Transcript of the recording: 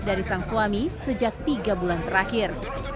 dari sang suami sejak tiga bulan terakhir